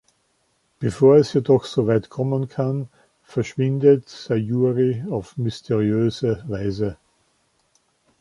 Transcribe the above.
Bevor es jedoch soweit kommen kann, verschwindet Sayuri auf mysteriöse Weise.